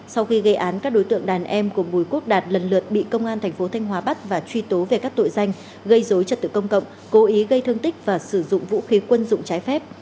sau khi gây án các đối tượng đàn em của bùi quốc đạt lần lượt bị công an thành phố thanh hóa bắt và truy tố về các tội danh gây dối trật tự công cộng cố ý gây thương tích và sử dụng vũ khí quân dụng trái phép